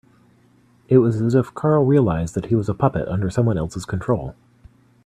It was as if Carl realised that he was a puppet under someone else's control.